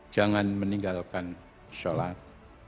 jangan meninggalkan sholat